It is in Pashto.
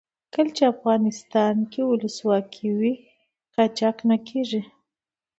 کله چې افغانستان کې ولسواکي وي قاچاق نه کیږي.